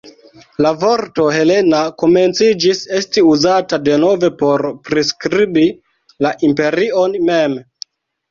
La vorto "Helena" komenciĝis esti uzata denove por priskribi la imperion mem.